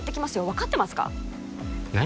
分かってますか何？